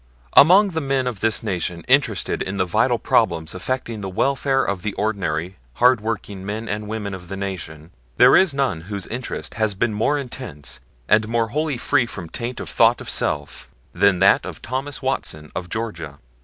Among the men of this Nation interested in the vital problems affecting the welfare of the ordinary hard working men and women of the Nation, there is none whose interest has been more intense, and more wholly free from taint of thought of self, than that of Thomas Watson, of Georgia.